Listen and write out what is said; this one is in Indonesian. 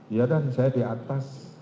iya dan saya di atas